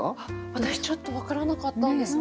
私ちょっと分からなかったんです。